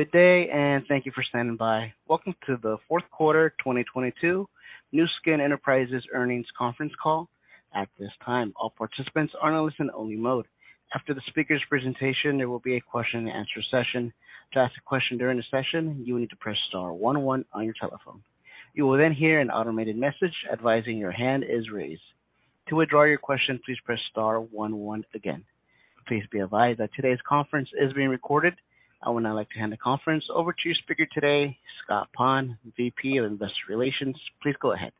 Good day, thank you for standing by. Welcome to the Q4 2022 Nu Skin Enterprises earnings conference call. At this time, all participants are in a listen only mode. After the speaker's presentation, there will be a question and answer session. To ask a question during the session, you will need to press star one one on your telephone. You will then hear an automated message advising your hand is raised. To withdraw your question, please press star one one again. Please be advised that today's conference is being recorded. I would now like to hand the conference over to your speaker today, Scott Pond, VP of Investor Relations. Please go ahead.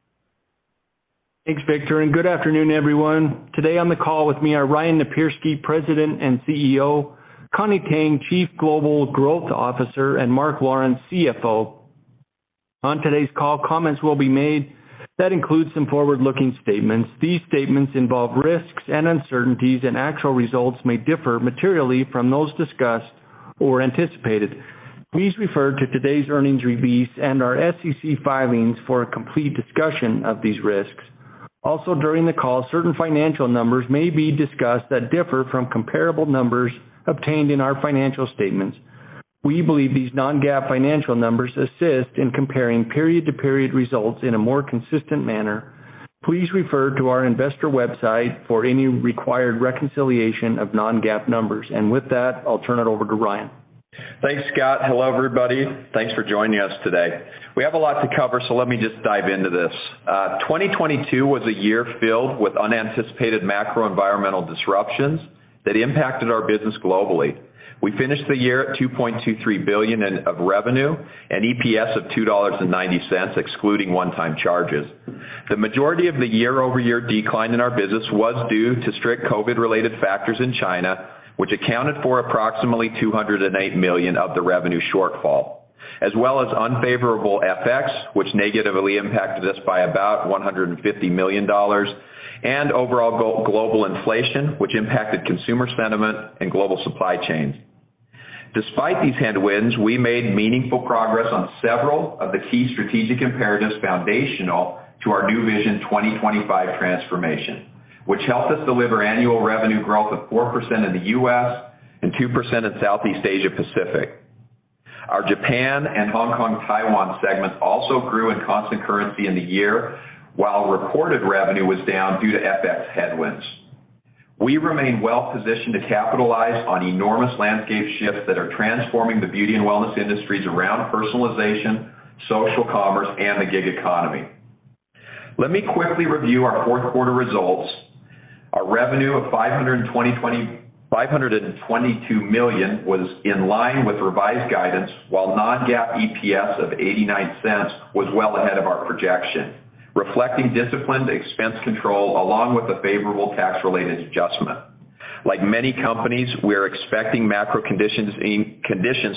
Thanks, Victor, good afternoon, everyone. Today on the call with me are Ryan Napierski, President and CEO, Connie Tang, Chief Global Growth Officer, and Mark Lawrence, CFO. On today's call, comments will be made that include some forward-looking statements. These statements involve risks and uncertainties, and actual results may differ materially from those discussed or anticipated. Please refer to today's earnings release and our SEC filings for a complete discussion of these risks. During the call, certain financial numbers may be discussed that differ from comparable numbers obtained in our financial statements. We believe these non-GAAP financial numbers assist in comparing period-to-period results in a more consistent manner. Please refer to our investor website for any required reconciliation of non-GAAP numbers. with that, I'll turn it over to Ryan. Thanks, Scott. Hello, everybody. Thanks for joining us today. We have a lot to cover, so let me just dive into this. 2022 was a year filled with unanticipated macro environmental disruptions that impacted our business globally. We finished the year at $2.23 billion in, of revenue and EPS of $2.90, excluding one-time charges. The majority of the year-over-year decline in our business was due to strict COVID-related factors in China, which accounted for approximately $208 million of the revenue shortfall, as well as unfavorable FX, which negatively impacted us by about $150 million, and overall global inflation, which impacted consumer sentiment and global supply chains. Despite these headwinds, we made meaningful progress on several of the key strategic imperatives foundational to our Nu Vision 2025 transformation, which helped us deliver annual revenue growth of 4% in the U.S. and 2% in Southeast Asia-Pacific. Our Japan and Hong Kong, Taiwan segments also grew in constant currency in the year, while reported revenue was down due to FX headwinds. We remain well-positioned to capitalize on enormous landscape shifts that are transforming the beauty and wellness industries around personalization, social commerce, and the gig economy. Let me quickly review our fourth quarter results. Our revenue of $522 million was in line with revised guidance, while non-GAAP EPS of $0.89 was well ahead of our projection, reflecting disciplined expense control along with a favorable tax-related adjustment. Like many companies, we are expecting macro conditions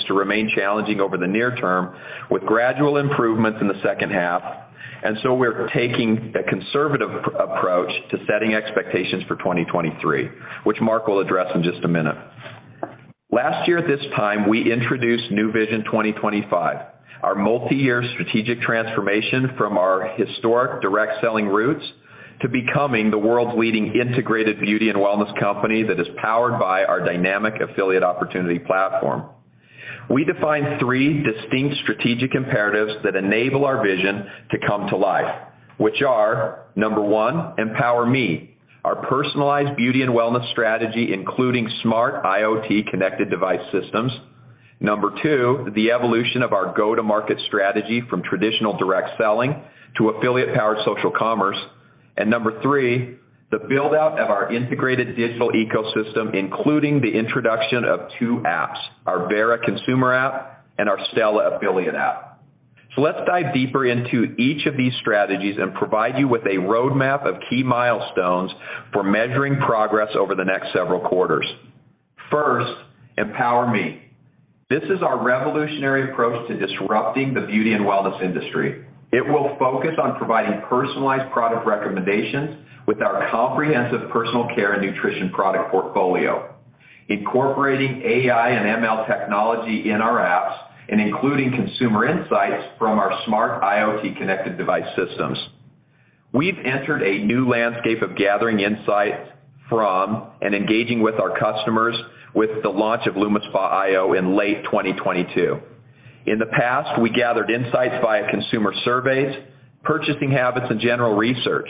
to remain challenging over the near term, with gradual improvements in the second half. We're taking a conservative approach to setting expectations for 2023, which Mark will address in just a minute. Last year at this time, we introduced Nu Vision 2025, our multi-year strategic transformation from our historic direct selling roots to becoming the world's leading integrated beauty and wellness company that is powered by our dynamic affiliate opportunity platform. We defined three distinct strategic imperatives that enable our vision to come to life, which are: number one, EmpowerMe, our personalized beauty and wellness strategy, including smart IoT connected device systems. Number two, the evolution of our go-to-market strategy from traditional direct selling to affiliate-powered social commerce. Number three, the build-out of our integrated digital ecosystem, including the introduction of two apps, our Vera consumer app and our Stella affiliate app. Let's dive deeper into each of these strategies and provide you with a roadmap of key milestones for measuring progress over the next several quarters. First, EmpowerMe. This is our revolutionary approach to disrupting the beauty and wellness industry. It will focus on providing personalized product recommendations with our comprehensive personal care and nutrition product portfolio, incorporating AI and ML technology in our apps, and including consumer insights from our smart IoT connected device systems. We've entered a new landscape of gathering insights from and engaging with our customers with the launch of LumiSpa iO in late 2022. In the past, we gathered insights via consumer surveys, purchasing habits, and general research.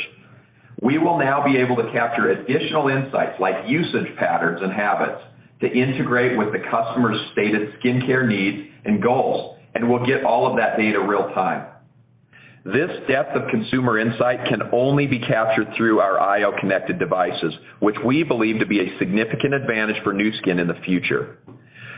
We will now be able to capture additional insights, like usage patterns and habits, to integrate with the customer's stated skincare needs and goals, and we'll get all of that data real-time. This depth of consumer insight can only be captured through our iO connected devices, which we believe to be a significant advantage for Nu Skin in the future.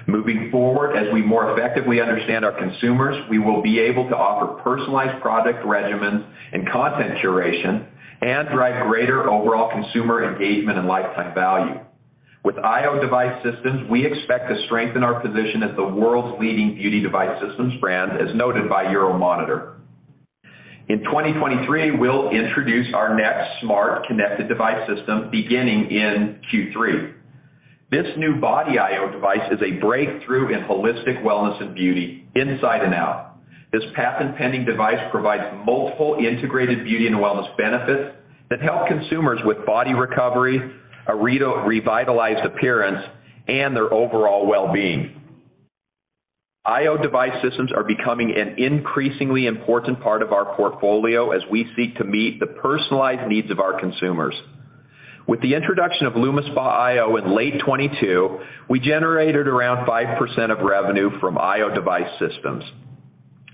Moving forward, as we more effectively understand our consumers, we will be able to offer personalized product regimens and content curation and drive greater overall consumer engagement and lifetime value. With iO device systems, we expect to strengthen our position as the world's leading beauty device systems brand, as noted by Euromonitor. In 2023, we'll introduce our next smart connected device system beginning in Q3. This new Body iO device is a breakthrough in holistic wellness and beauty inside and out. This patent-pending device provides multiple integrated beauty and wellness benefits that help consumers with body recovery, a redo-revitalized appearance, and their overall well-being. iO device systems are becoming an increasingly important part of our portfolio as we seek to meet the personalized needs of our consumers. With the introduction of LumiSpa iO in late 2022, we generated around 5% of revenue from iO device systems.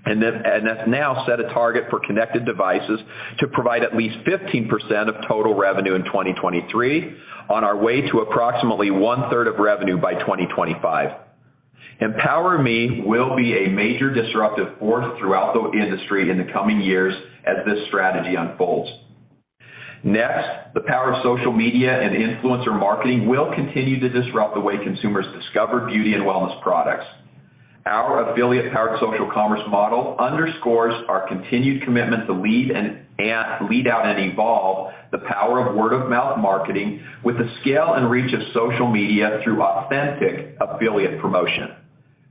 have now set a target for connected devices to provide at least 15% of total revenue in 2023 on our way to approximately 1/3 of revenue by 2025. EmpowerMe will be a major disruptive force throughout the industry in the coming years as this strategy unfolds. Next, the power of social media and influencer marketing will continue to disrupt the way consumers discover beauty and wellness products. Our affiliate-powered social commerce model underscores our continued commitment to lead and lead out and evolve the power of word-of-mouth marketing with the scale and reach of social media through authentic affiliate promotion.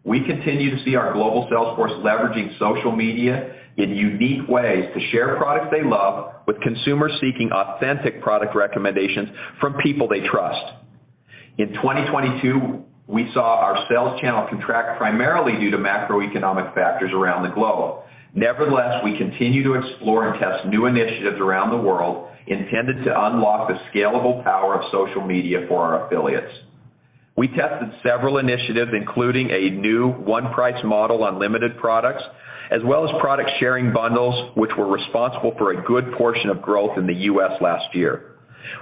We continue to see our global sales force leveraging social media in unique ways to share products they love with consumers seeking authentic product recommendations from people they trust. In 2022, we saw our sales channel contract primarily due to macroeconomic factors around the globe. Nevertheless, we continue to explore and test new initiatives around the world intended to unlock the scalable power of social media for our affiliates. We tested several initiatives, including a new One Price model on limited products, as well as product sharing bundles, which were responsible for a good portion of growth in the U.S. last year.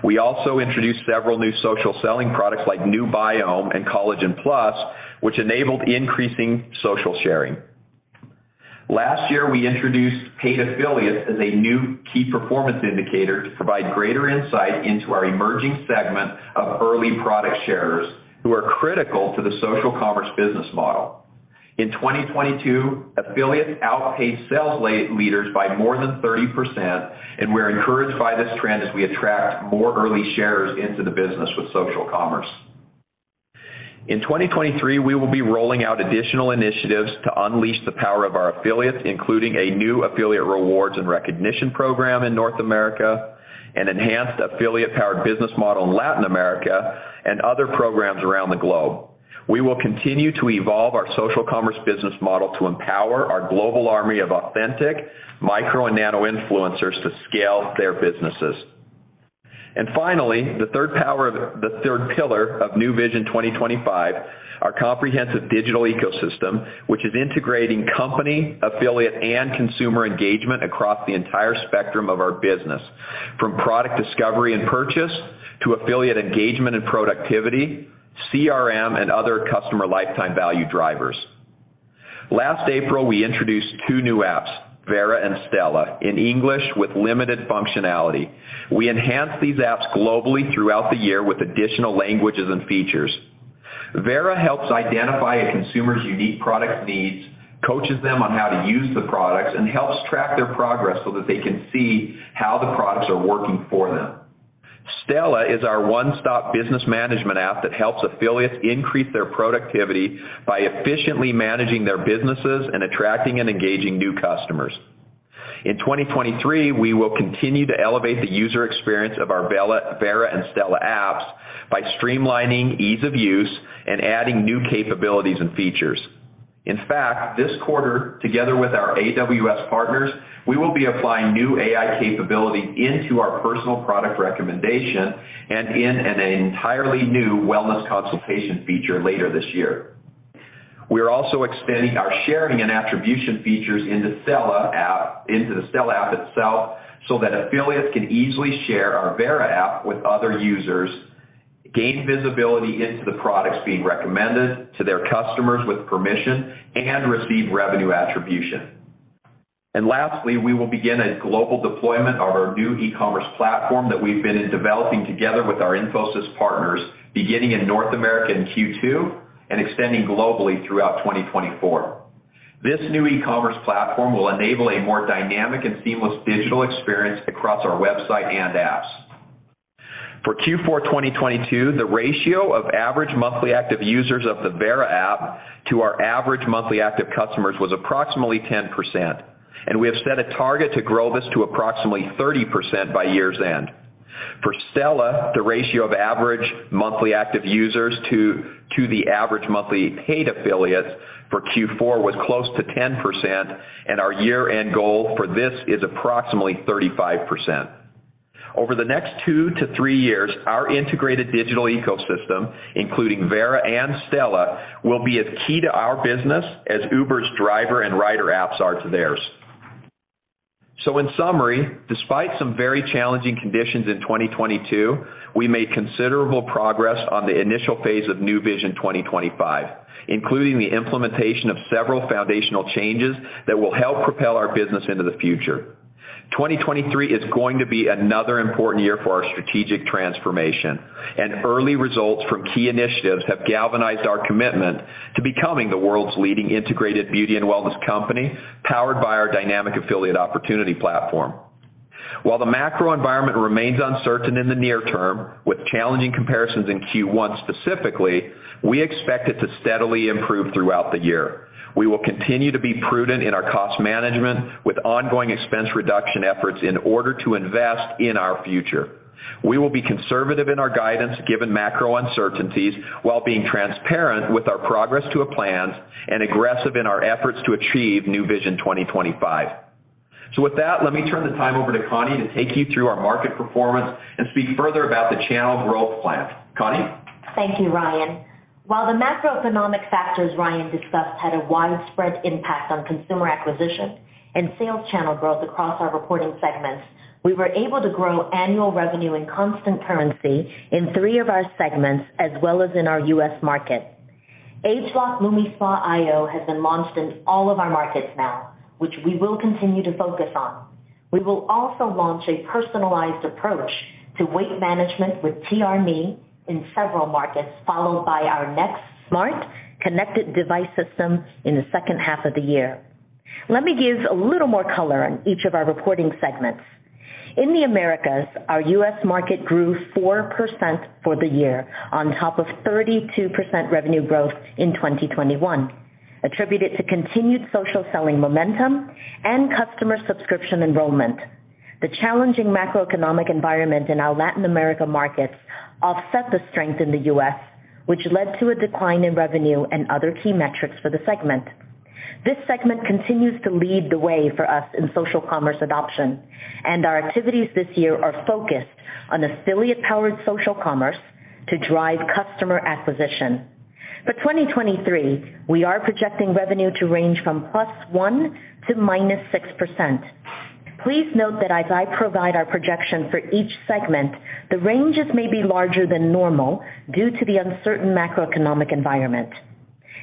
We also introduced several new social selling products like Nu Biome and Collagen+, which enabled increasing social sharing. Last year, we introduced paid affiliates as a new key performance indicator to provide greater insight into our emerging segment of early product sharers who are critical to the social commerce business model. In 2022, affiliates outpaced sales leaders by more than 30%. We're encouraged by this trend as we attract more early sharers into the business with social commerce. In 2023, we will be rolling out additional initiatives to unleash the power of our affiliates, including a new affiliate rewards and recognition program in North America, an enhanced affiliate-powered business model in Latin America, and other programs around the globe. We will continue to evolve our social commerce business model to empower our global army of authentic micro and nano influencers to scale their businesses. Finally, the third pillar of Nu Vision 2025, our comprehensive digital ecosystem, which is integrating company, affiliate, and consumer engagement across the entire spectrum of our business, from product discovery and purchase to affiliate engagement and productivity, CRM, and other customer lifetime value drivers. Last April, we introduced two new apps, Vera and Stella, in English with limited functionality. We enhanced these apps globally throughout the year with additional languages and features. Vera helps identify a consumer's unique product needs, coaches them on how to use the products, and helps track their progress so that they can see how the products are working for them. Stella is our one-stop business management app that helps affiliates increase their productivity by efficiently managing their businesses and attracting and engaging new customers. In 2023, we will continue to elevate the user experience of our Vera and Stella apps by streamlining ease of use and adding new capabilities and features. In fact, this quarter, together with our AWS partners, we will be applying new AI capability into our personal product recommendation and in an entirely new wellness consultation feature later this year. We are also expanding our sharing and attribution features into the Stella app itself so that affiliates can easily share our Vera app with other users, gain visibility into the products being recommended to their customers with permission, and receive revenue attribution. Lastly, we will begin a global deployment of our new e-commerce platform that we've been developing together with our Infosys partners, beginning in North America in Q2, and extending globally throughout 2024. This new e-commerce platform will enable a more dynamic and seamless digital experience across our website and apps. For Q4 2022, the ratio of average monthly active users of the Vera app to our average monthly active customers was approximately 10%, and we have set a target to grow this to approximately 30% by year's end. For Stella, the ratio of average monthly active users to the average monthly paid affiliates for Q4 was close to 10%, and our year-end goal for this is approximately 35%. Over the next two to three years, our integrated digital ecosystem, including Vera and Stella, will be as key to our business as Uber's driver and rider apps are to theirs. In summary, despite some very challenging conditions in 2022, we made considerable progress on the initial phase of Nu Vision 2025, including the implementation of several foundational changes that will help propel our business into the future. 2023 is going to be another important year for our strategic transformation, and early results from key initiatives have galvanized our commitment to becoming the world's leading integrated beauty and wellness company, powered by our dynamic affiliate opportunity platform. While the macro environment remains uncertain in the near term, with challenging comparisons in Q1 specifically, we expect it to steadily improve throughout the year. We will continue to be prudent in our cost management with ongoing expense reduction efforts in order to invest in our future. We will be conservative in our guidance, given macro uncertainties, while being transparent with our progress to our plans and aggressive in our efforts to achieve Nu Vision 2025. With that, let me turn the time over to Connie to take you through our market performance and speak further about the channel growth plan. Connie? Thank you, Ryan. While the macroeconomic factors Ryan discussed had a widespread impact on consumer acquisition and sales channel growth across our reporting segments, we were able to grow annual revenue in constant currency in three of our segments as well as in our U.S. market. ageLOC LumiSpa iO has been launched in all of our markets now, which we will continue to focus on. We will also launch a personalized approach to weight management with TRMe in several markets, followed by our next smart connected device system in the second half of the year. Let me give a little more color on each of our reporting segments. In the Americas, our U.S. market grew 4% for the year, on top of 32% revenue growth in 2021, attributed to continued social selling momentum and customer subscription enrollment. The challenging macroeconomic environment in our Latin America markets offset the strength in the US, which led to a decline in revenue and other key metrics for the segment. This segment continues to lead the way for us in social commerce adoption, and our activities this year are focused on affiliate-powered social commerce to drive customer acquisition. For 2023, we are projecting revenue to range from +1% to -6%. Please note that as I provide our projection for each segment, the ranges may be larger than normal due to the uncertain macroeconomic environment.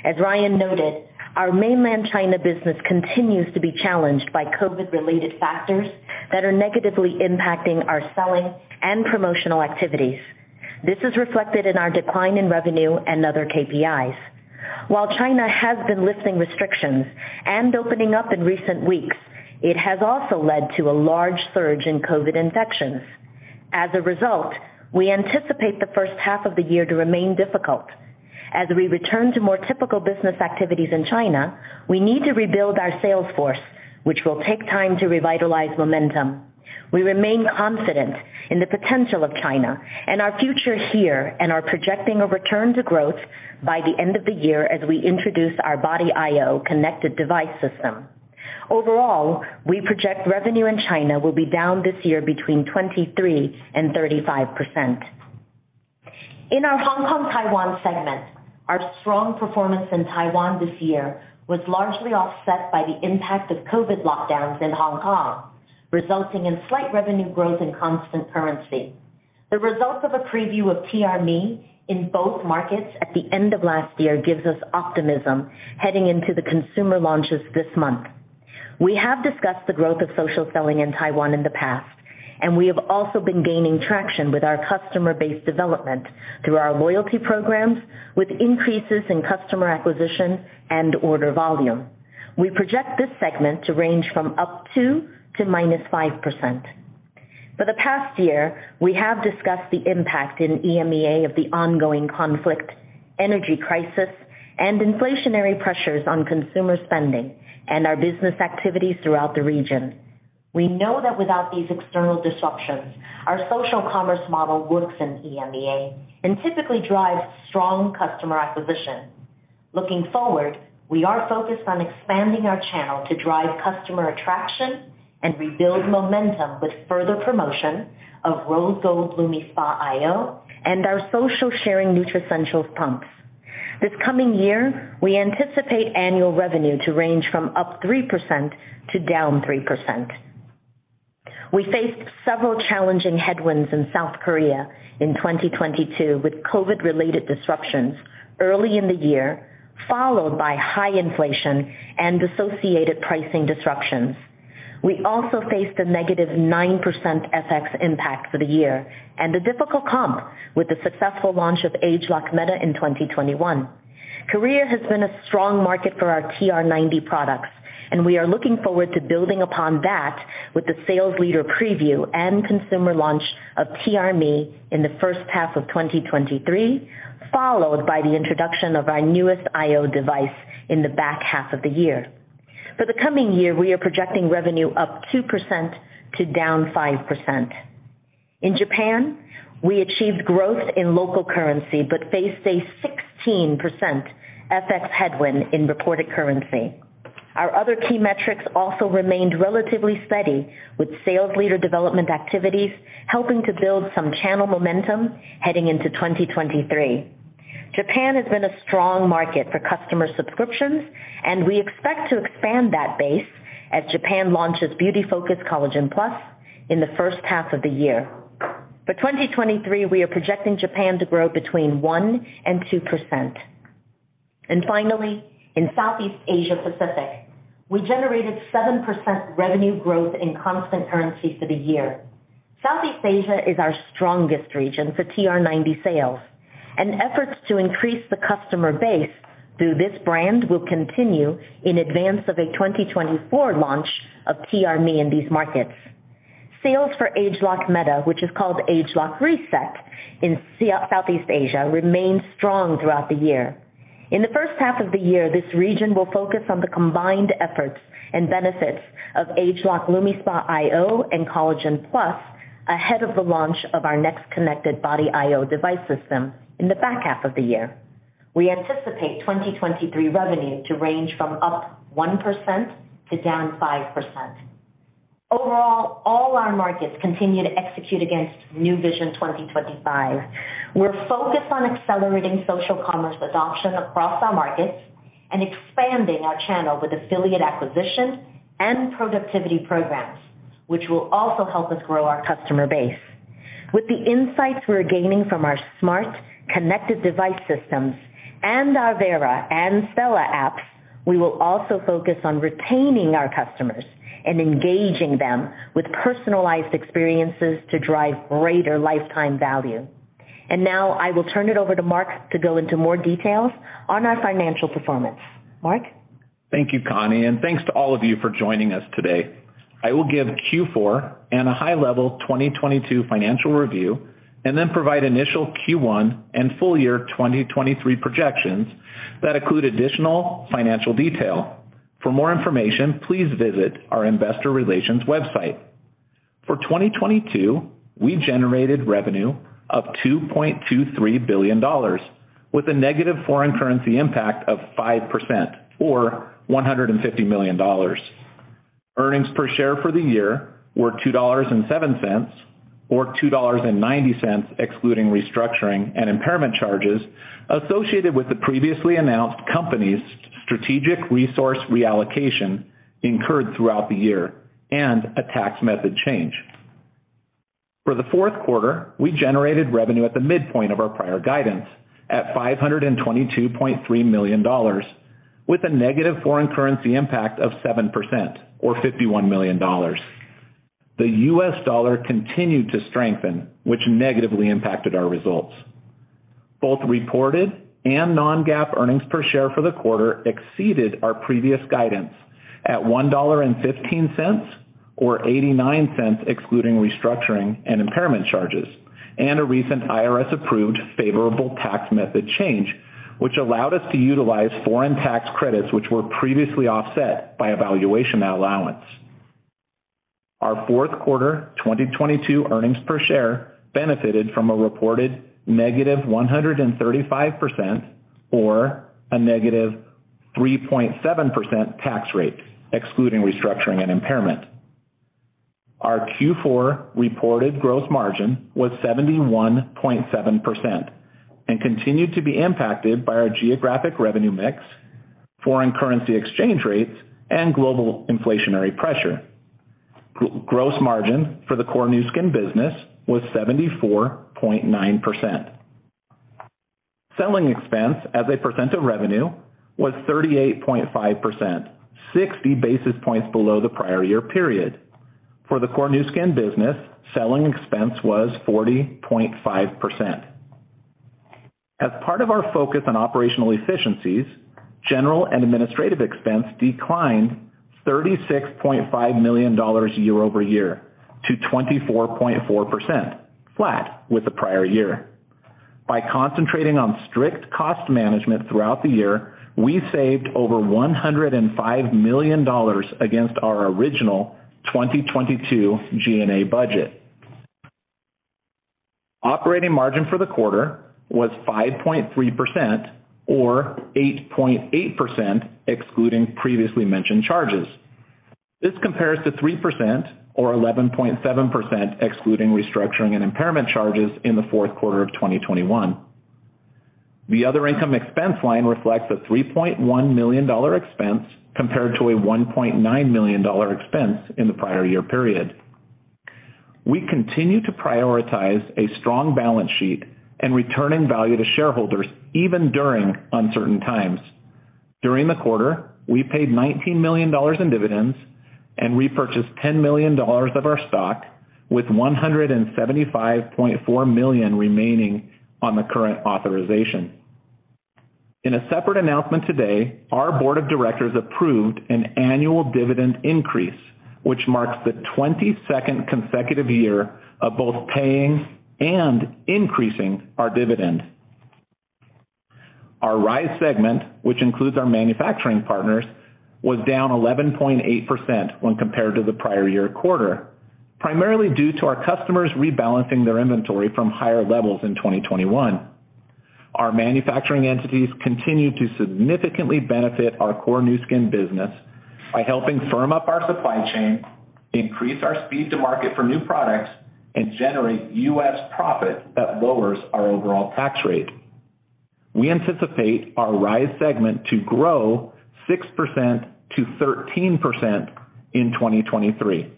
As Ryan noted, our Mainland China business continues to be challenged by COVID-related factors that are negatively impacting our selling and promotional activities. This is reflected in our decline in revenue and other KPIs. While China has been lifting restrictions and opening up in recent weeks, it has also led to a large surge in COVID infections. As a result, we anticipate the first half of the year to remain difficult. As we return to more typical business activities in China, we need to rebuild our sales force, which will take time to revitalize momentum. We remain confident in the potential of China and our future here, and are projecting a return to growth by the end of the year as we introduce our ageLOC Body iO connected device system. Overall, we project revenue in China will be down this year between 23% and 35%. In our Hong Kong-Taiwan segment, our strong performance in Taiwan this year was largely offset by the impact of COVID lockdowns in Hong Kong, resulting in slight revenue growth in constant currency. The results of a preview of TRMe in both markets at the end of last year gives us optimism heading into the consumer launches this month. We have discussed the growth of social selling in Taiwan in the past, and we have also been gaining traction with our customer-based development through our loyalty programs, with increases in customer acquisition and order volume. We project this segment to range from up to -5%. For the past year, we have discussed the impact in EMEA of the ongoing conflict, energy crisis, and inflationary pressures on consumer spending and our business activities throughout the region. We know that without these external disruptions, our social commerce model works in EMEA and typically drives strong customer acquisition. Looking forward, we are focused on expanding our channel to drive customer attraction and rebuild momentum with further promotion of Rose Gold LumiSpa iO and our social sharing Nutricentials pumps. This coming year, we anticipate annual revenue to range from +3% to -3%. We faced several challenging headwinds in South Korea in 2022 with COVID-related disruptions early in the year, followed by high inflation and associated pricing disruptions. We also faced a negative 9% FX impact for the year and a difficult comp with the successful launch of ageLOC Meta in 2021. Korea has been a strong market for our TR90 products, and we are looking forward to building upon that with the sales leader preview and consumer launch of TRMe in the first half of 2023, followed by the introduction of our newest iO device in the back half of the year. For the coming year, we are projecting revenue up 2% to down 5%. In Japan, we achieved growth in local currency but faced a 16% FX headwind in reported currency. Our other key metrics also remained relatively steady, with sales leader development activities helping to build some channel momentum heading into 2023. Japan has been a strong market for customer subscriptions, and we expect to expand that base as Japan launches Beauty Focus Collagen+ in the first half of the year. For 2023, we are projecting Japan to grow between 1% and 2%. Finally, in Southeast Asia Pacific, we generated 7% revenue growth in constant currency for the year. Southeast Asia is our strongest region for TR90 sales, and efforts to increase the customer base through this brand will continue in advance of a 2024 launch of TRMe in these markets. Sales for ageLOC Meta, which is called ageLOC Reset in Southeast Asia, remained strong throughout the year. In the first half of the year, this region will focus on the combined efforts and benefits of ageLOC LumiSpa iO and Beauty Focus Collagen+ ahead of the launch of our next connected ageLOC Body iO device system in the back half of the year. We anticipate 2023 revenue to range from +1% to -5%. Overall, all our markets continue to execute against Nu Vision 2025. We're focused on accelerating social commerce adoption across our markets and expanding our channel with affiliate acquisition and productivity programs, which will also help us grow our customer base. With the insights we're gaining from our smart, connected device systems and our Vera and Stella apps, we will also focus on retaining our customers and engaging them with personalized experiences to drive greater lifetime value. Now I will turn it over to Mark to go into more details on our financial performance. Mark? Thank you, Connie, and thanks to all of you for joining us today. I will give Q4 and a high-level 2022 financial review, and then provide initial Q1 and full year 2023 projections that include additional financial detail. For more information, please visit our investor relations website. For 2022, we generated revenue of $2.23 billion with a negative foreign currency impact of 5% or $150 million. Earnings per share for the year were $2.07, or $2.90, excluding restructuring and impairment charges associated with the previously announced company's strategic resource reallocation incurred throughout the year and a tax method change. For the fourth quarter, we generated revenue at the midpoint of our prior guidance at $522.3 million, with a negative foreign currency impact of 7% or $51 million. The US dollar continued to strengthen, which negatively impacted our results. Both reported and non-GAAP earnings per share for the quarter exceeded our previous guidance at $1.15 or $0.89, excluding restructuring and impairment charges, and a recent IRS-approved favorable tax method change, which allowed us to utilize foreign tax credits, which were previously offset by a valuation allowance. Our fourth quarter 2022 earnings per share benefited from a reported negative 135% or a negative 3.7% tax rate, excluding restructuring and impairment. Our Q4 reported gross margin was 71.7% and continued to be impacted by our geographic revenue mix, foreign currency exchange rates, and global inflationary pressure. Gross margin for the core Nu Skin business was 74.9%. Selling expense as a percent of revenue was 38.5%, 60 basis points below the prior year period. For the core Nu Skin business, selling expense was 40.5%. As part of our focus on operational efficiencies, general and administrative expense declined $36.5 million year-over-year to 24.4%, flat with the prior year. By concentrating on strict cost management throughout the year, we saved over $105 million against our original 2022 G&A budget. Operating margin for the quarter was 5.3% or 8.8% excluding previously mentioned charges. This compares to 3% or 11.7% excluding restructuring and impairment charges in the fourth quarter of 2021. The other income expense line reflects a $3.1 million expense compared to a $1.9 million expense in the prior year period. We continue to prioritize a strong balance sheet and returning value to shareholders even during uncertain times. During the quarter, we paid $19 million in dividends and repurchased $10 million of our stock with $175.4 million remaining on the current authorization. In a separate announcement today, our board of directors approved an annual dividend increase, which marks the 22nd consecutive year of both paying and increasing our dividend. Our RISE segment, which includes our manufacturing partners, was down 11.8% when compared to the prior year quarter, primarily due to our customers rebalancing their inventory from higher levels in 2021. Our manufacturing entities continue to significantly benefit our core Nu Skin business by helping firm up our supply chain, increase our speed to market for new products, and generate U.S. profit that lowers our overall tax rate. We anticipate our RISE segment to grow 6%-13% in 2023.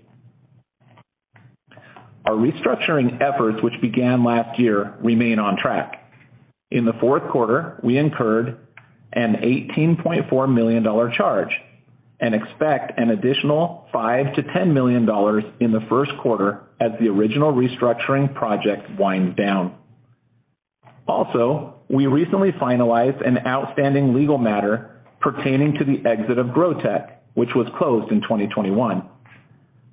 Our restructuring efforts, which began last year, remain on track. In the Q4, we incurred an $18.4 million charge and expect an additional $5 million-$10 million in the first quarter as the original restructuring project winds down. We recently finalized an outstanding legal matter pertaining to the exit of Grow Tech, which was closed in 2021.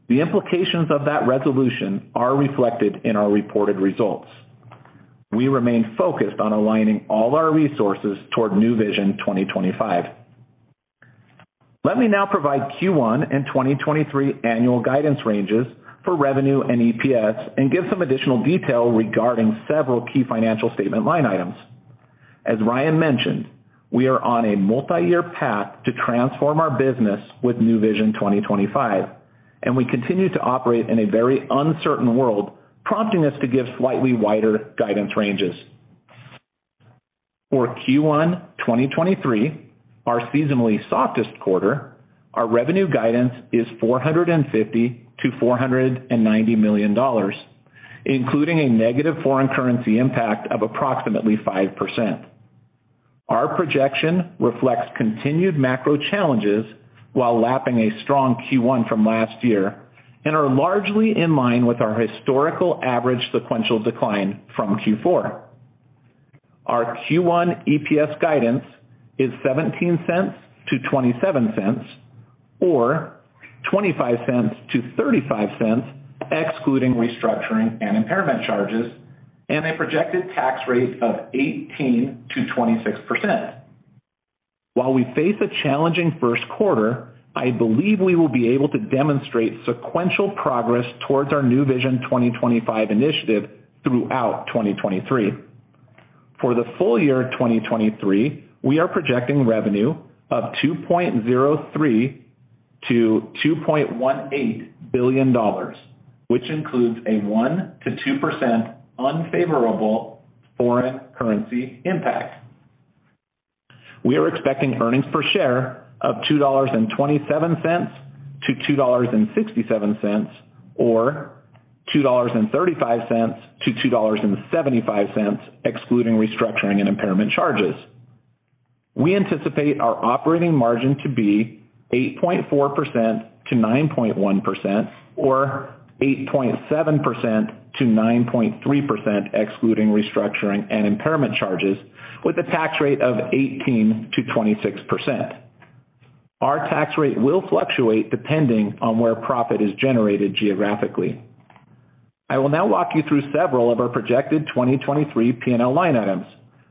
The implications of that resolution are reflected in our reported results. We remain focused on aligning all our resources toward Nu Vision 2025. Let me now provide Q1 and 2023 annual guidance ranges for revenue and EPS and give some additional detail regarding several key financial statement line items. As Ryan mentioned, we are on a multiyear path to transform our business with Nu Vision 2025, and we continue to operate in a very uncertain world, prompting us to give slightly wider guidance ranges. For Q1 2023, our seasonally softest quarter, our revenue guidance is $450 million-$490 million, including a negative foreign currency impact of approximately 5%. Our projection reflects continued macro challenges while lapping a strong Q1 from last year and are largely in line with our historical average sequential decline from Q4. Our Q1 EPS guidance is $0.17-$0.27 or $0.25-$0.35, excluding restructuring and impairment charges and a projected tax rate of 18%-26%. While we face a challenging first quarter, I believe we will be able to demonstrate sequential progress towards our Nu Vision 2025 initiative throughout 2023. For the full year 2023, we are projecting revenue of $2.03 billion-$2.18 billion, which includes a 1%-2% unfavorable foreign currency impact. We are expecting earnings per share of $2.27-$2.67 or $2.35-$2.75 excluding restructuring and impairment charges. We anticipate our operating margin to be 8.4%-9.1% or 8.7%-9.3% excluding restructuring and impairment charges with a tax rate of 18%-26%. Our tax rate will fluctuate depending on where profit is generated geographically. I will now walk you through several of our projected 2023 P&L line items.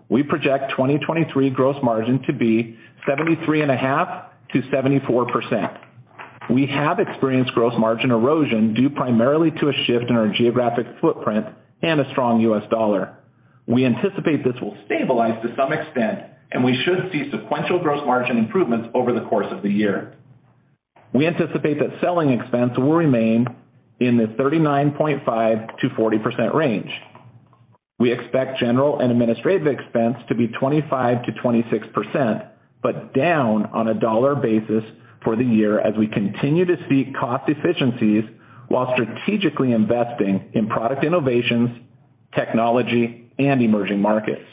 We project 2023 gross margin to be 73.5%-74%. We have experienced gross margin erosion due primarily to a shift in our geographic footprint and a strong US dollar. We anticipate this will stabilize to some extent. We should see sequential gross margin improvements over the course of the year. We anticipate that selling expense will remain in the 39.5%-40% range. We expect general and administrative expense to be 25%-26%, but down on a dollar basis for the year as we continue to seek cost efficiencies while strategically investing in product innovations, technology, and emerging markets.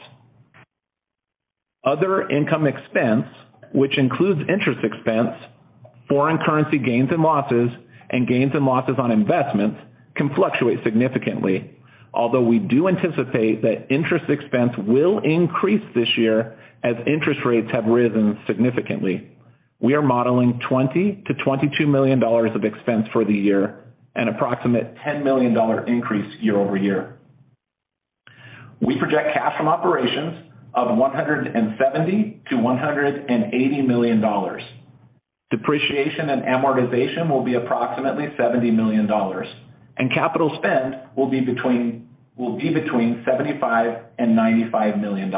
Other income expense, which includes interest expense, foreign currency gains and losses, and gains and losses on investments, can fluctuate significantly. Although we do anticipate that interest expense will increase this year as interest rates have risen significantly, we are modeling $20 million-$22 million of expense for the year and approximate $10 million increase year-over-year. We project cash from operations of $170 million-$180 million. Depreciation and amortization will be approximately $70 million, and capital spend will be between $75 million and $95 million.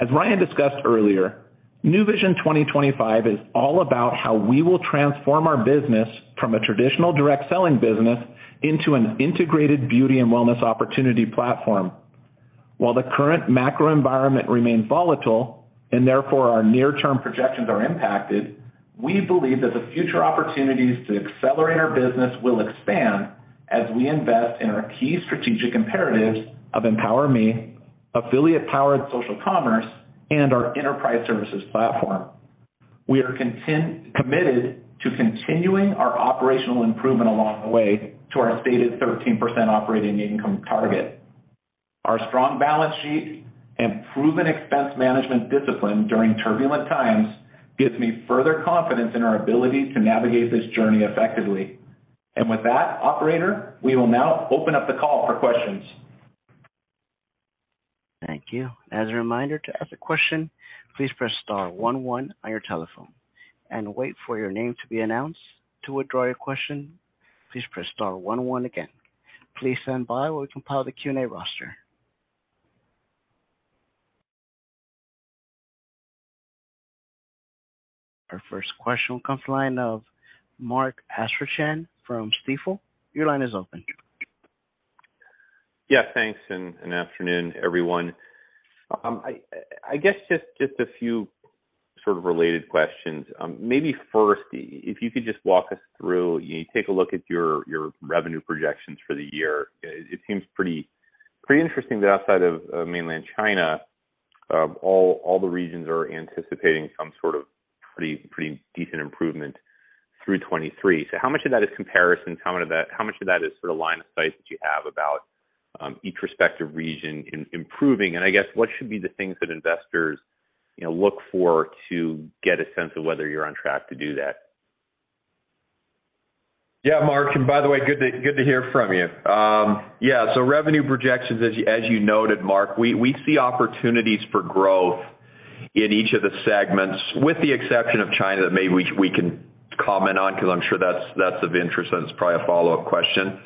As Ryan discussed earlier, Nu Vision 2025 is all about how we will transform our business from a traditional direct selling business into an integrated beauty and wellness opportunity platform. While the current macro environment remains volatile, and therefore our near-term projections are impacted, we believe that the future opportunities to accelerate our business will expand as we invest in our key strategic imperatives of EmpowerMe, affiliate-powered social commerce, and our enterprise services platform. We are committed to continuing our operational improvement along the way to our stated 13% operating income target. Our strong balance sheet and proven expense management discipline during turbulent times gives me further confidence in our ability to navigate this journey effectively. With that, operator, we will now open up the call for questions. Thank you. As a reminder, to ask a question, please press star one one on your telephone and wait for your name to be announced. To withdraw your question, please press star one one again. Please stand by while we compile the Q&A roster. Our first question comes line of Mark Astrachan from Stifel. Your line is open. Yeah, thanks, and afternoon, everyone. I guess just a few sort of related questions. Maybe first, if you could just walk us through, you take a look at your revenue projections for the year. It seems pretty interesting that outside of Mainland China, all the regions are anticipating some sort of pretty decent improvement through 23. How much of that is comparison? How much of that is sort of line of sight that you have about each respective region improving? I guess what should be the things that investors, you know, look for to get a sense of whether you're on track to do that. Mark, and by the way, good to hear from you. Revenue projections, as you noted, Mark, we see opportunities for growth in each of the segments, with the exception of China that maybe we can comment on because I'm sure that's of interest, and it's probably a follow-up question.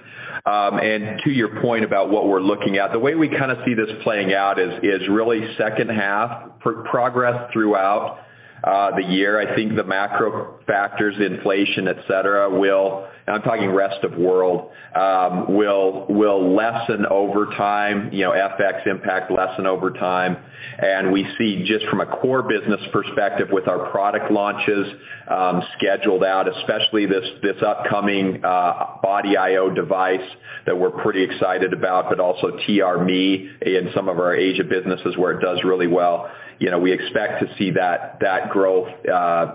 To your point about what we're looking at, the way we kind of see this playing out is really second half for progress throughout the year. I think the macro factors, inflation, et cetera, and I'm talking rest of world, will lessen over time, you know, FX impact lessen over time. We see just from a core business perspective with our product launches scheduled out, especially this upcoming Body iO device that we're pretty excited about, but also TRMe in some of our Asia businesses where it does really well. You know, we expect to see that growth,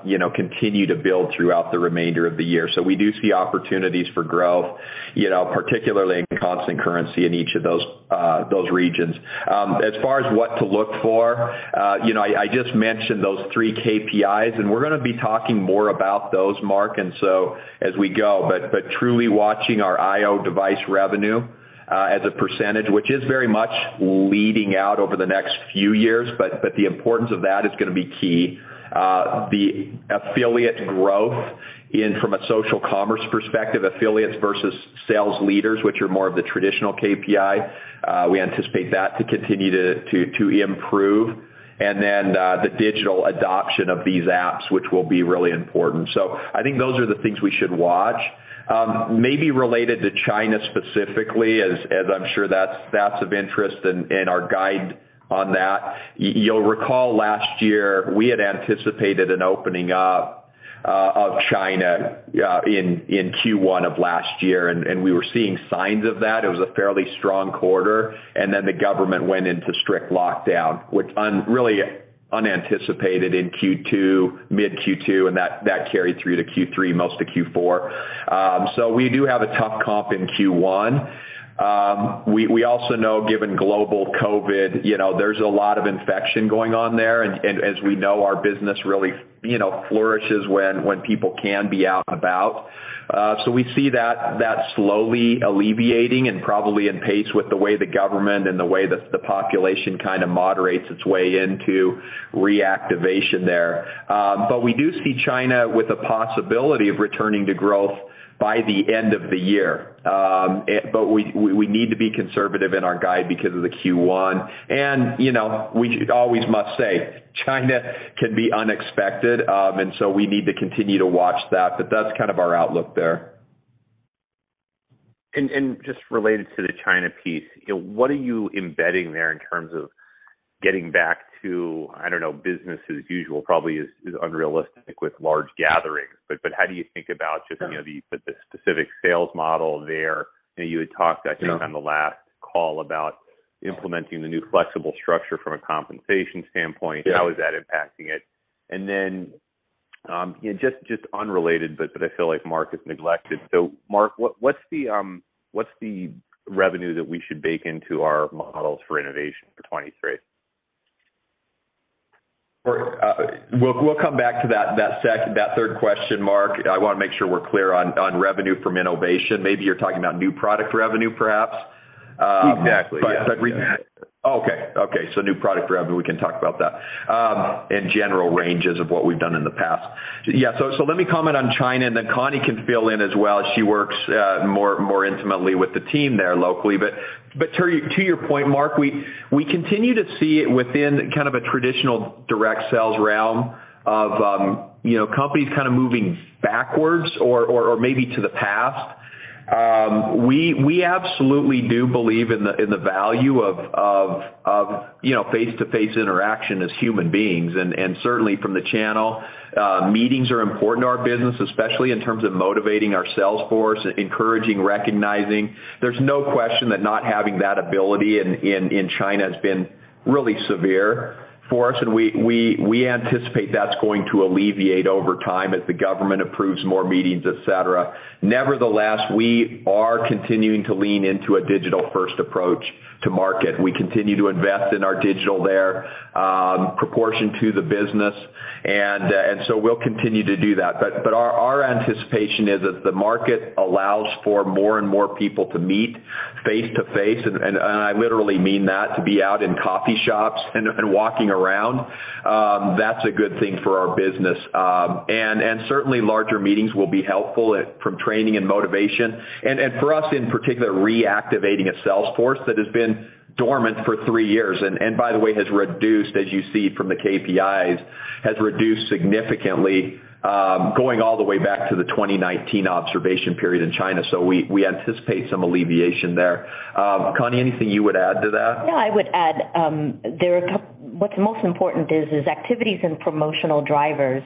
you know, continue to build throughout the remainder of the year. We do see opportunities for growth, you know, particularly in constant currency in each of those regions. As far as what to look for, you know, I just mentioned those three KPIs, we're gonna be talking more about those Mark, as we go. Truly watching our iO device revenue as a percentage, which is very much leading out over the next few years, but the importance of that is gonna be key. The affiliate growth in from a social commerce perspective, affiliates versus sales leaders, which are more of the traditional KPI, we anticipate that to continue to improve. The digital adoption of these apps, which will be really important. I think those are the things we should watch. Maybe related to China specifically as I'm sure that's of interest and our guide on that. You'll recall last year, we had anticipated an opening up of China in Q1 of last year, and we were seeing signs of that. It was a fairly strong quarter, and then the government went into strict lockdown, which really unanticipated in Q2, mid-Q2, and that carried through to Q3, most of Q4. We do have a tough comp in Q1. We also know given global COVID, you know, there's a lot of infection going on there. As we know, our business really, you know, flourishes when people can be out and about. We see that slowly alleviating and probably in pace with the way the government and the way that the population kind of moderates its way into reactivation there. We do see China with a possibility of returning to growth by the end of the year. We need to be conservative in our guide because of the Q1. You know, we always must say China can be unexpected, and so we need to continue to watch that. That's kind of our outlook there. Just related to the China piece, you know, what are you embedding there in terms of getting back to, I don't know, business as usual probably is unrealistic with large gatherings. How do you think about just, you know, the specific sales model there? You know, you had talked, I think, on the last call about implementing the new flexible structure from a compensation standpoint. Yeah. How is that impacting it? You know, just unrelated, but that I feel like Mark is neglected. Mark, what's the revenue that we should bake into our models for innovation for 2023? We'll come back to that third question, Mark. I wanna make sure we're clear on revenue from innovation. Maybe you're talking about new product revenue, perhaps. Exactly, yeah. But, but re- Yeah. Okay. New product revenue, we can talk about that, and general ranges of what we've done in the past. Yeah. Let me comment on China, and then Connie can fill in as well. She works, more intimately with the team there locally. To your point, Mark, we continue to see it within kind of a traditional direct sales realm of, you know, companies kind of moving backwards or maybe to the past. We absolutely do believe in the value of, you know, face-to-face interaction as human beings. Certainly from the channel, meetings are important to our business, especially in terms of motivating our sales force, encouraging, recognizing. There's no question that not having that ability in China has been really severe for us, we anticipate that's going to alleviate over time as the government approves more meetings, et cetera. Nevertheless, we are continuing to lean into a digital-first approach to market. We continue to invest in our digital there, proportion to the business. So we'll continue to do that. Our anticipation is if the market allows for more and more people to meet face-to-face, and I literally mean that to be out in coffee shops and walking around, that's a good thing for our business. Certainly larger meetings will be helpful from training and motivation and for us, in particular, reactivating a sales force that has been dormant for three years, and by the way, has reduced, as you see from the KPIs, has reduced significantly, going all the way back to the 2019 observation period in China. We anticipate some alleviation there. Connie, anything you would add to that? No, I would add, what's most important is activities and promotional drivers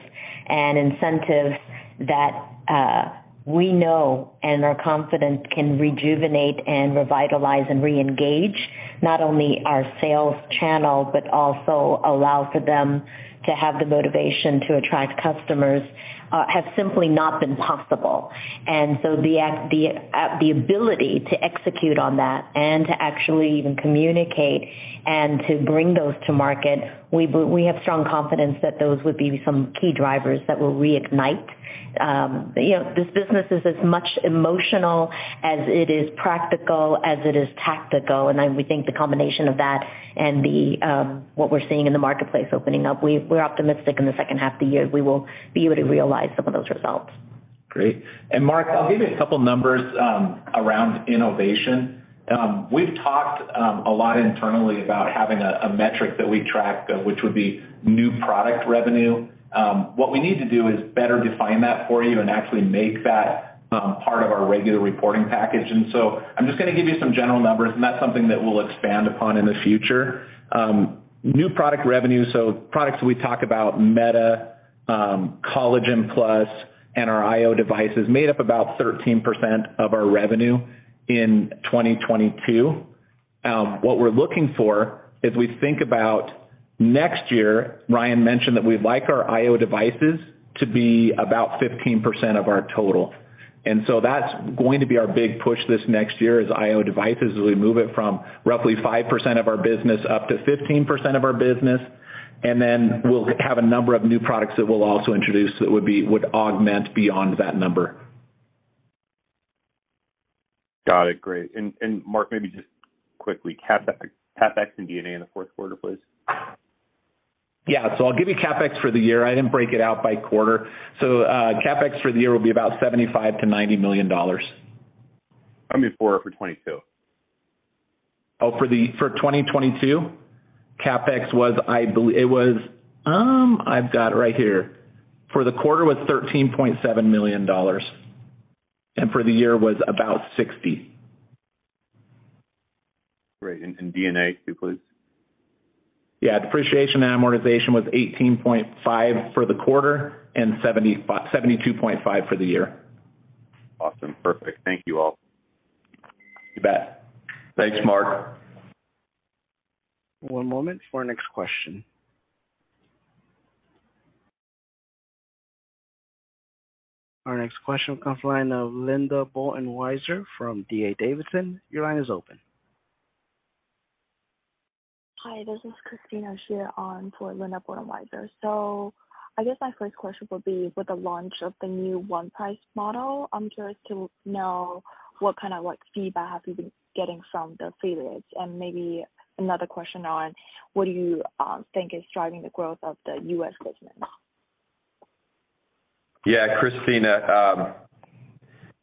and incentives that we know and are confident can rejuvenate and revitalize and reengage not only our sales channel, but also allow for them to have the motivation to attract customers, have simply not been possible. The ability to execute on that and to actually even communicate and to bring those to market, we have strong confidence that those would be some key drivers that will reignite. You know, this business is as much emotional as it is practical, as it is tactical. We think the combination of that and what we're seeing in the marketplace opening up, we're optimistic in the second half of the year we will be able to realize some of those results. Great. Mark, I'll give you a couple numbers around innovation. We've talked a lot internally about having a metric that we track, which would be new product revenue. What we need to do is better define that for you and actually make that part of our regular reporting package. I'm just gonna give you some general numbers, and that's something that we'll expand upon in the future. New product revenue, so products we talk about Meta, Beauty Focus Collagen+ and our iO devices made up about 13% of our revenue in 2022. What we're looking for as we think about next year, Ryan mentioned that we'd like our iO devices to be about 15% of our total. That's going to be our big push this next year is iO devices as we move it from roughly 5% of our business up to 15% of our business. Then we'll have a number of new products that we'll also introduce that would augment beyond that number. Got it. Great. Mark, maybe just quickly, CapEx and D&A in the fourth quarter, please. I'll give you CapEx for the year. I didn't break it out by quarter. CapEx for the year will be about $75 million-$90 million. I mean for 22. For 2022? CapEx was, it was, I've got it right here. For the quarter it was $13.7 million, and for the year was about $60 million. Great. D&A too, please. Yeah. Depreciation and amortization was $18.5 for the quarter and $72.5 for the year. Awesome. Perfect. Thank you all. You bet. Thanks, Mark. One moment for our next question. Our next question comes from the line of Linda Bolton Weiser from D.A. Davidson. Your line is open. Hi, this is Christina Xu on for Linda Bolton Weiser. I guess my first question would be, with the launch of the new One Price model, I'm curious to know what kind of like feedback have you been getting from the affiliates. Maybe another question on what do you think is driving the growth of the U.S. business? Yeah. Christina,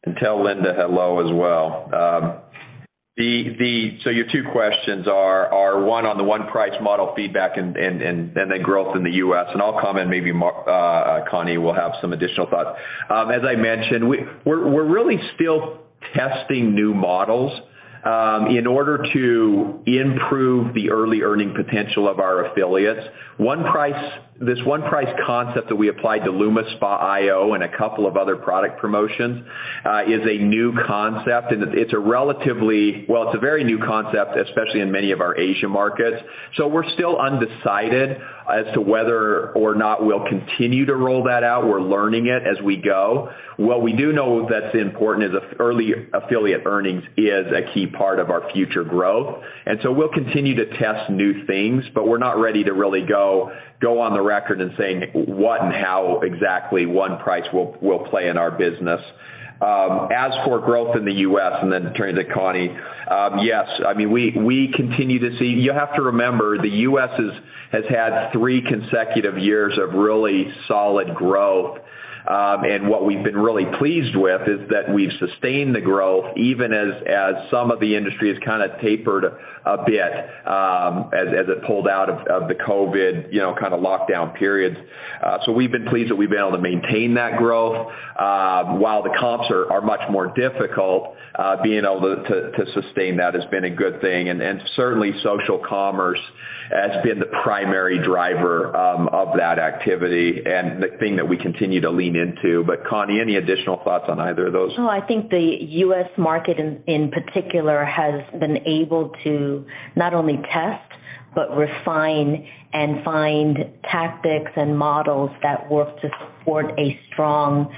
and tell Linda hello as well. Your two questions are, one, on the One Price model feedback, and then the growth in the U.S., and I'll comment maybe Connie will have some additional thoughts. As I mentioned, we're really still testing new models in order to improve the early earning potential of our affiliates. One Price, this One Price concept that we applied to LumiSpa iO and a couple of other product promotions, is a new concept, and it's a very new concept, especially in many of our Asia markets. We're still undecided as to whether or not we'll continue to roll that out. We're learning it as we go. What we do know that's important is early affiliate earnings is a key part of our future growth. We'll continue to test new things, but we're not ready to really go on the record in saying what and how exactly One Price will play in our business. As for growth in the U.S., and then turn it to Connie, yes, I mean, we continue to see. You have to remember, the U.S. has had three consecutive years of really solid growth. What we've been really pleased with is that we've sustained the growth even as some of the industry has kinda tapered a bit, as it pulled out of the COVID, you know, kind of lockdown periods. We've been pleased that we've been able to maintain that growth, while the comps are much more difficult, being able to sustain that has been a good thing. Certainly social commerce has been the primary driver of that activity and the thing that we continue to lean into. Connie, any additional thoughts on either of those? I think the U.S. market, in particular, has been able to not only test, but refine and find tactics and models that work to support a strong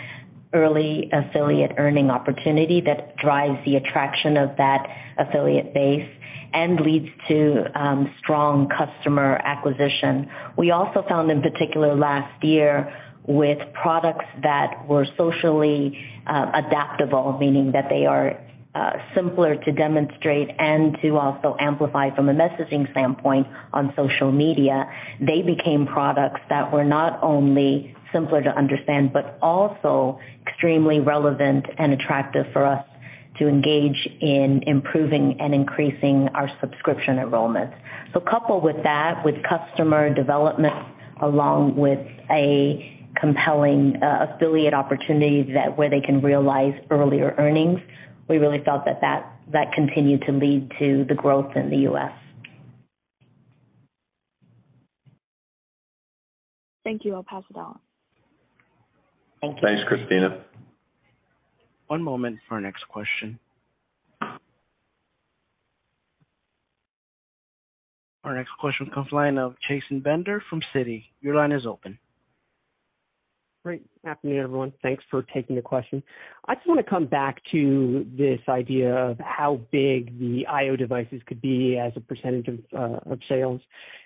early affiliate earning opportunity that drives the attraction of that affiliate base and leads to strong customer acquisition. We also found in particular last year with products that were socially adaptable, meaning that they are simpler to demonstrate and to also amplify from a messaging standpoint on social media, they became products that were not only simpler to understand, but also extremely relevant and attractive for us to engage in improving and increasing our subscription enrollments. Coupled with that, with customer development along with a compelling affiliate opportunity where they can realize earlier earnings, we really felt that that continued to lead to the growth in the U.S. Thank you. I'll pass it on. Thanks, Christina. One moment for our next question. Our next question comes line of Chasen Bender from Citi. Your line is open. Great. Afternoon, everyone. Thanks for taking the question. I just wanna come back to this idea of how big the iO devices could be as a percentage of sales.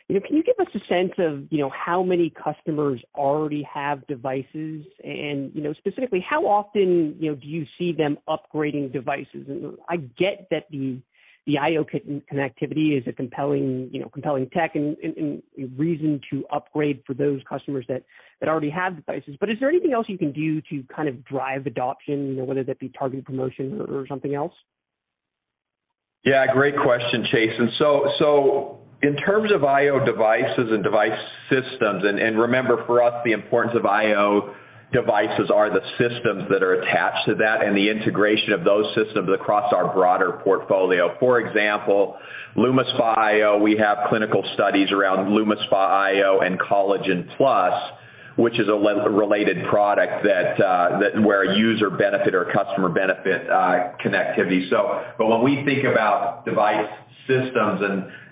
You know, can you give us a sense of, you know, how many customers already have devices? You know, specifically, how often, you know, do you see them upgrading devices? I get that the iO connectivity is a compelling, you know, compelling tech and a reason to upgrade for those customers that already have devices. Is there anything else you can do to kind of drive adoption, you know, whether that be targeted promotion or something else? Yeah, great question, Chasen. In terms of iO devices and device systems, and remember for us, the importance of iO devices are the systems that are attached to that and the integration of those systems across our broader portfolio. For example, LumiSpa iO, we have clinical studies around LumiSpa iO and Collagen+, which is a related product that where a user benefit or customer benefit connectivity. When we think about device systems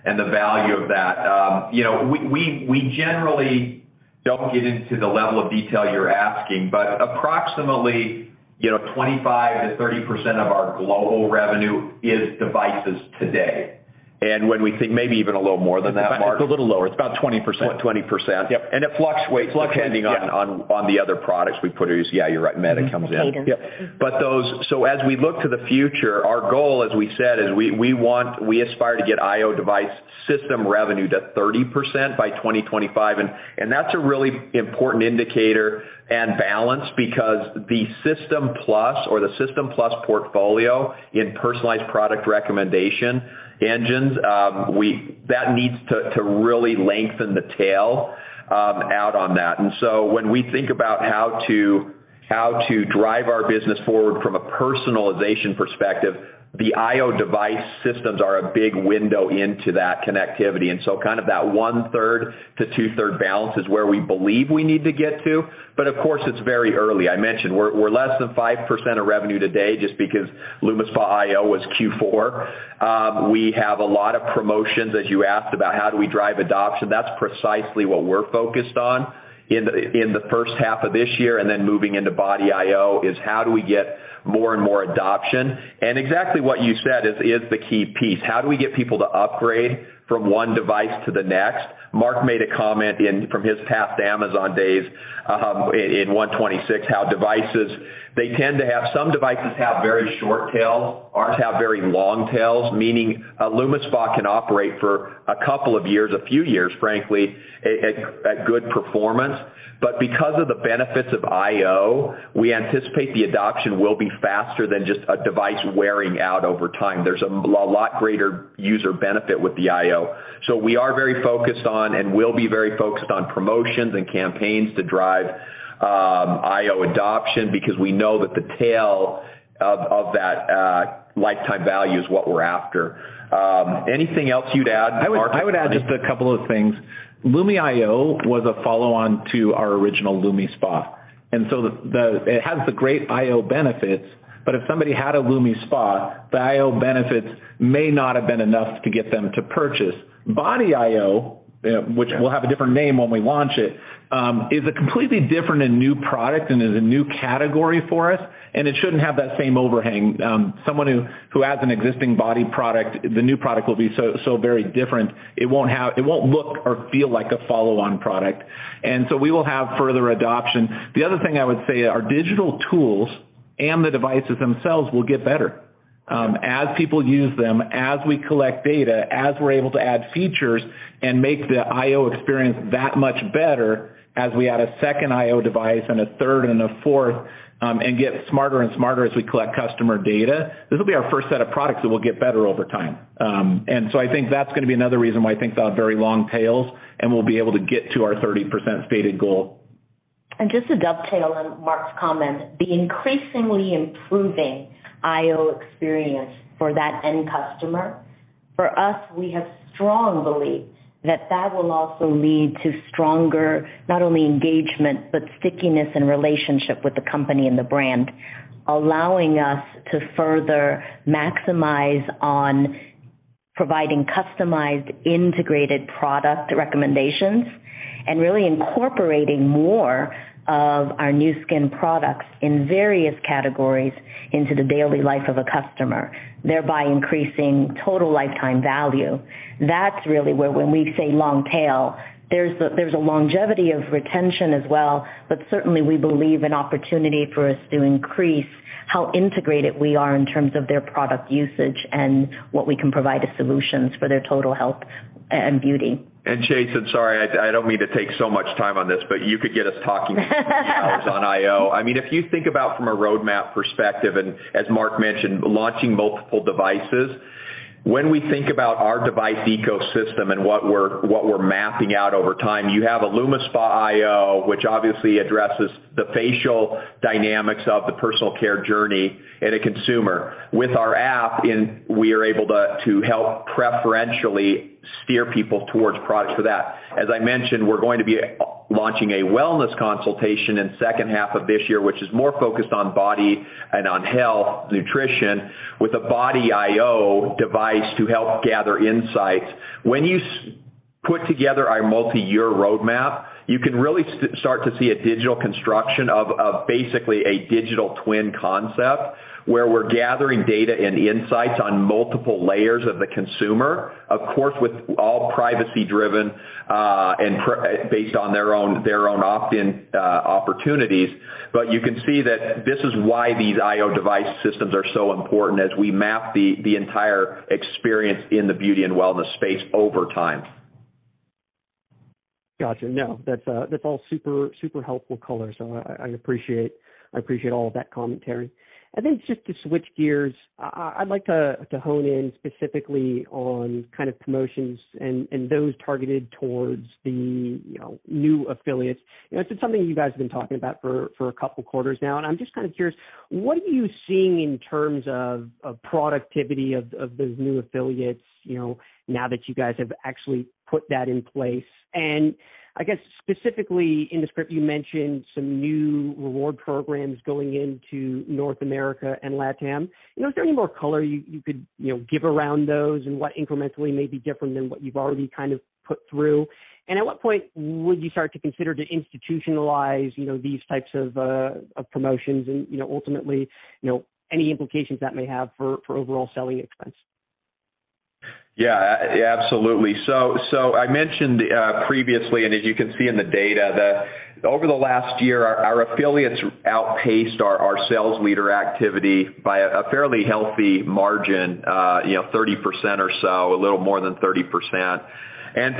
and the value of that, you know, we generally don't get into the level of detail you're asking. Approximately, you know, 25%-30% of our global revenue is devices today. When we think maybe even a little more than that, Mark? It's a little lower. It's about 20%. 20%. Yep. It fluctuates. It fluctuates, yeah.... depending on the other products we produce. Yeah, you're right, Meta comes in. As we look to the future, our goal, as we said, is we aspire to get iO device system revenue to 30% by 2025, and that's a really important indicator and balance because the System Plus or the System Plus portfolio in personalized product recommendation engines, that needs to really lengthen the tail out on that. When we think about how to drive our business forward from a personalization perspective, the iO device systems are a big window into that connectivity. Kind of that 1/3 to 2/3 balance is where we believe we need to get to. Of course, it's very early. I mentioned we're less than 5% of revenue today just because ageLOC LumiSpa iO was Q4. We have a lot of promotions, as you asked about how do we drive adoption. That's precisely what we're focused on in the first half of this year and then moving into ageLOC Body iO, is how do we get more and more adoption. Exactly what you said is the key piece. How do we get people to upgrade from one device to the next? Mark made a comment in-- from his past Amazon days, in one twenty-six, how devices, they tend to have-- some devices have very short tails, ours have very long tails, meaning a LumiSpa can operate for a couple of years, a few years, frankly, at, at good performance. Because of the benefits of iO, we anticipate the adoption will be faster than just a device wearing out over time. There's a lot greater user benefit with the iO. We are very focused on and will be very focused on promotions and campaigns to drive iO adoption because we know that the tail of that lifetime value is what we're after. Anything else you'd add, Mark? I would add just a couple of things. Lumi iO was a follow-on to our original LumiSpa, it has the great iO benefits, but if somebody had a LumiSpa, the iO benefits may not have been enough to get them to purchase. Body iO, which will have a different name when we launch it, is a completely different and new product and is a new category for us, it shouldn't have that same overhang. Someone who has an existing body product, the new product will be so very different. It won't look or feel like a follow-on product. We will have further adoption. The other thing I would say, our digital tools and the devices themselves will get better. As people use them, as we collect data, as we're able to add features and make the iO experience that much better as we add a second iO device and a third and a fourth, and get smarter and smarter as we collect customer data, this will be our first set of products that will get better over time. I think that's gonna be another reason why I think about very long tails, and we'll be able to get to our 30% stated goal. Just to dovetail on Mark's comment, the increasingly improving iO experience for that end customer, for us, we have strong belief that that will also lead to stronger not only engagement, but stickiness and relationship with the company and the brand, allowing us to further maximize on providing customized, integrated product recommendations and really incorporating more of our Nu Skin products in various categories into the daily life of a customer, thereby increasing total lifetime value. That's really where when we say long tail, there's a longevity of retention as well, but certainly we believe an opportunity for us to increase how integrated we are in terms of their product usage and what we can provide as solutions for their total health and beauty. Chasen, sorry, I don't mean to take so much time on this, but you could get us talking on iO. I mean, if you think about from a roadmap perspective, and as Mark mentioned, launching multiple devices, when we think about our device ecosystem and what we're mapping out over time, you have a ageLOC LumiSpa iO, which obviously addresses the facial dynamics of the personal care journey in a consumer. With our app in, we are able to help preferentially steer people towards products for that. As I mentioned, we're going to be launching a wellness consultation in second half of this year, which is more focused on body and on health, nutrition, with a ageLOC Body iO device to help gather insights. When you Put together our multiyear roadmap, you can really start to see a digital construction of basically a digital twin concept where we're gathering data and insights on multiple layers of the consumer, of course, with all privacy driven and based on their own opt-in opportunities. You can see that this is why these iO device systems are so important as we map the entire experience in the beauty and wellness space over time. Gotcha. No, that's all super helpful color. I appreciate, I appreciate all of that commentary. I think just to switch gears, I'd like to hone in specifically on kind of promotions and those targeted towards the, you know, new affiliates. You know, it's something you guys have been talking about for a couple quarters now, and I'm just kinda curious, what are you seeing in terms of productivity of those new affiliates, you know, now that you guys have actually put that in place? I guess specifically in the script, you mentioned some new reward programs going into North America and LATAM. You know, is there any more color you could, you know, give around those and what incrementally may be different than what you've already kind of put through? At what point would you start to consider to institutionalize, you know, these types of promotions and, you know, ultimately, you know, any implications that may have for overall selling expense? Yeah, absolutely. I mentioned previously, and as you can see in the data, over the last year, our affiliates outpaced our sales leader activity by a fairly healthy margin, you know, 30% or so, a little more than 30%.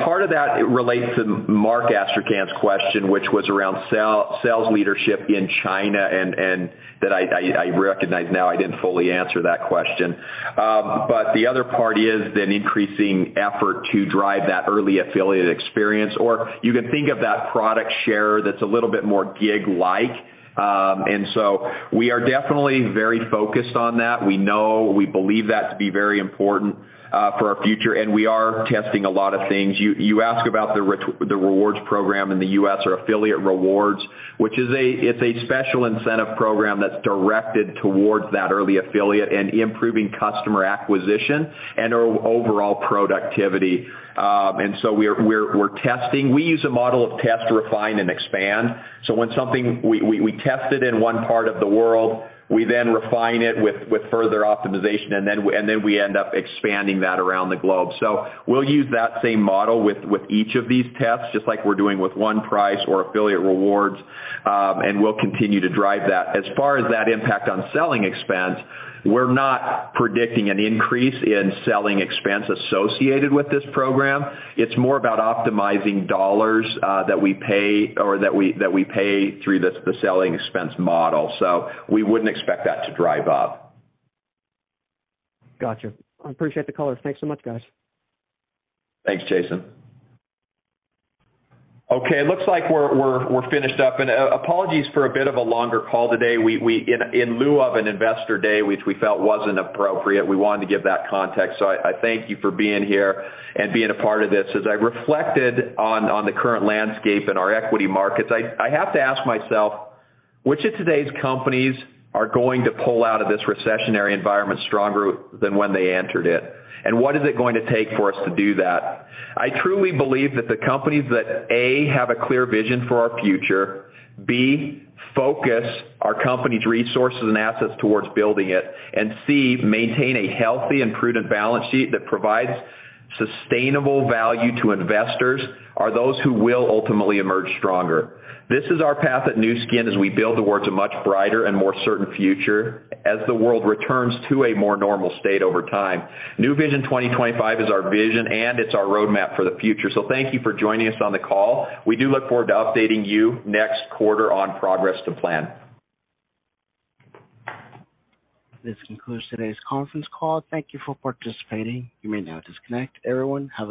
Part of that relates to Mark Astrachan's question, which was around sales leadership in China, and that I recognize now I didn't fully answer that question. The other part is an increasing effort to drive that early affiliate experience, or you can think of that product share that's a little bit more gig-like. We are definitely very focused on that. We believe that to be very important for our future, and we are testing a lot of things. You ask about the rewards program in the U.S. or affiliate rewards, which is a special incentive program that's directed towards that early affiliate and improving customer acquisition and our overall productivity. We're testing. We use a model of test, refine, and expand. When we test it in one part of the world, we then refine it with further optimization, and then we end up expanding that around the globe. We'll use that same model with each of these tests, just like we're doing with One Price or affiliate rewards, and we'll continue to drive that. As far as that impact on selling expense, we're not predicting an increase in selling expense associated with this program. It's more about optimizing dollars, that we pay or that we pay through the selling expense model. We wouldn't expect that to drive up. Gotcha. I appreciate the color. Thanks so much, guys. Thanks, Jason. Okay, looks like we're finished up. Apologies for a bit of a longer call today. We in lieu of an investor day, which we felt wasn't appropriate, we wanted to give that context. I thank you for being here and being a part of this. As I reflected on the current landscape in our equity markets, I have to ask myself, which of today's companies are going to pull out of this recessionary environment stronger than when they entered it? What is it going to take for us to do that? I truly believe that the companies that, A, have a clear vision for our future, B, focus our company's resources and assets towards building it, and C, maintain a healthy and prudent balance sheet that provides sustainable value to investors are those who will ultimately emerge stronger. This is our path at Nu Skin as we build towards a much brighter and more certain future as the world returns to a more normal state over time. Nu Vision 2025 is our vision, and it's our roadmap for the future. Thank you for joining us on the call. We do look forward to updating you next quarter on progress to plan. This concludes today's conference call. Thank you for participating. You may now disconnect, everyone.